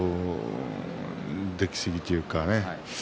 できすぎというかね